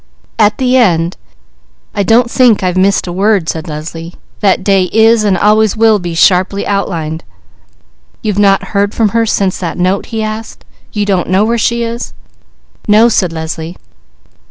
At the end: "I don't think I've missed a word," said Leslie. "That day is and always will be sharply outlined." "You've not heard from her since that note?" he asked. "You don't know where she is?" "No," said Leslie.